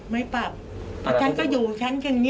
มากมายแล้วเคาะสองที